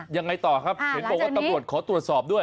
ยังไงต่อครับเห็นบอกว่าตำรวจขอตรวจสอบด้วย